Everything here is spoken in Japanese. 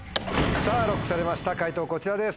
さぁＬＯＣＫされました解答こちらです。